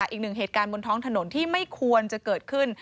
อีกหนึ่งเหตุการณ์บนท้องถนนที่ไม่ควรจะเกิดขึ้น